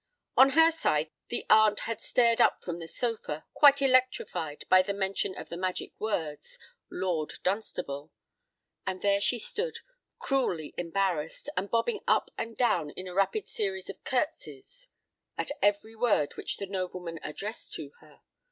On her side, the aunt had started up from the sofa, quite electrified by the mention of the magic words—"LORD DUNSTABLE;" and there she stood, cruelly embarrassed, and bobbing up and down in a rapid series of curtseys at every word which the nobleman addressed to her.